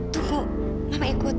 tunggu mama ikut